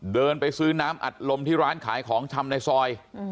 เดินไปซื้อน้ำอัดลมที่ร้านขายของชำในซอย